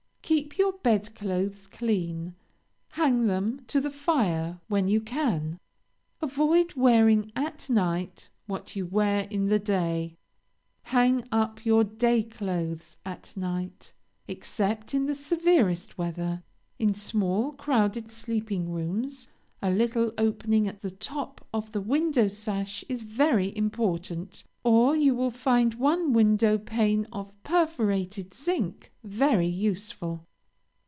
Keep your bed clothes clean; hang them to the fire when you can. Avoid wearing at night what you wear in the day. Hang up your day clothes at night. Except in the severest weather, in small, crowded sleeping rooms, a little opening at the top of the window sash is very important; or you will find one window pane of perforated zinc very useful.